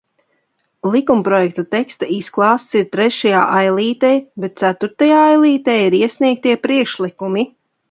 Likumprojekta teksta izklāsts ir trešajā ailītē, bet ceturtajā ailītē ir iesniegtie priekšlikumi.